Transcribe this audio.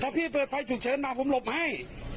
พี่เปิดไฟฉุกเฉินมาผมหลบให้